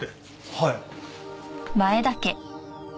はい。